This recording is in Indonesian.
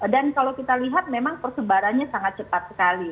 dan kalau kita lihat memang persebarannya sangat cepat sekali